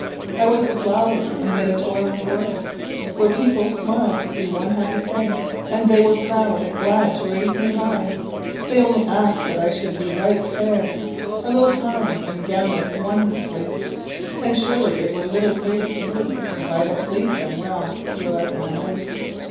I was the flower amid a toiling world, Where people smiled to see one happy thing, And they were proud and glad to raise me high; They only asked that I should be right fair, A little kind, and gownèd wondrously, And surely it were little praise to me If I had pleased them well throughout my life.